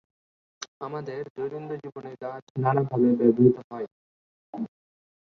আমাদের দৈনন্দিন জীবনে গাছ নানভাবে ব্যবহৃত হয়।